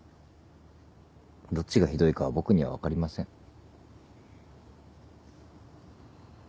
どっちがひどいかは僕には分かりません。